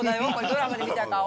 ドラマで見た顔。